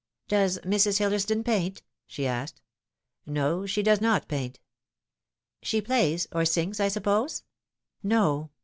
" Does Mrs. Hillersdon paint ?" she asked. " No, she does not paint." " She plays or sings, I suppose ?"" No.